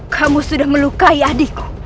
kamu sudah melukai adikku